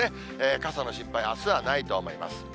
傘の心配、あすはないと思います。